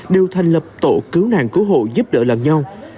đều thành lập tổ cứu nạn cứu hộ giúp đỡ lần nhau